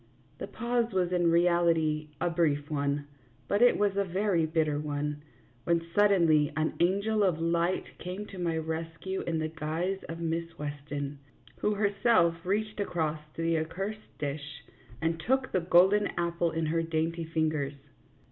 The pause was in reality a brief one, but it was a very bitter one, when suddenly an angel of light came to my rescue in the guise of Miss Weston, who herself reached across to the accursed dish and took the golden apple in her dainty fingers.